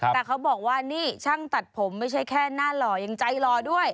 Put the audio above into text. แต่เขาบอกว่านี่ช่างตัดผมไม่ใช่แค่หน้าหล่อยังใจหล่อด้วย